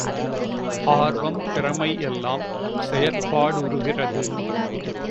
ஆர்வம், திறமை யெல்லாம் செயற்பாடுறுகிறது!